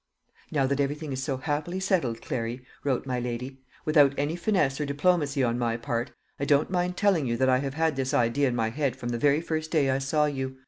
"Now that everything is so happily settled, Clary," wrote my lady, "without any finesse or diplomacy on my part, I don't mind telling you that I have had this idea in my head from the very first day I saw you.